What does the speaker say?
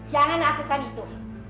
jangan lakukan itu